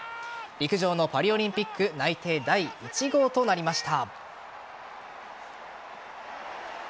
陸上のパリオリンピック内定第１号となりました。